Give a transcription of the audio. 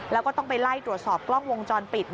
แล้วก็ต้องไปไล่ตรวจสอบกล้องวงจรปิด